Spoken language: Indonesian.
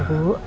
bentar ya bu